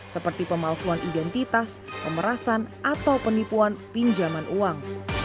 seperti pemalsuan identitas pemerasan atau penipuan pinjaman uang